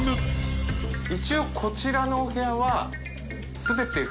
一応こちらのお部屋は狩野）